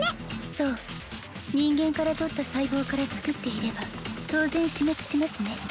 そう人間から採った細胞から作っていれば当然死滅しますね